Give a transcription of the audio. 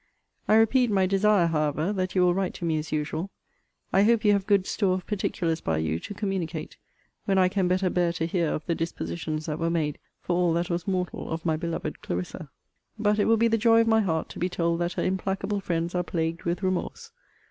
I repeat my desire, however, that you will write to me as usual. I hope you have good store of particulars by you to communicate, when I can better bear to hear of the dispositions that were made for all that was mortal of my beloved Clarissa. But it will be the joy of my heart to be told that her implacable friends are plagued with remorse.